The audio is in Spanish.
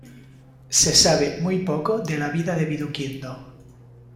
Se sabe muy poco de la vida de Viduquindo.